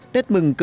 tết mừng cơm